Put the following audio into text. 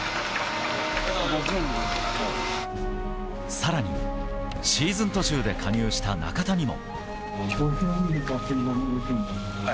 更に、シーズン途中で加入した中田にも。